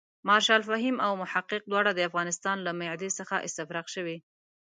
مارشال فهیم او محقق دواړه د افغانستان له معدې څخه استفراق شوي.